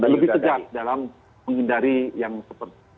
lebih sejak dalam menghindari yang sepertinya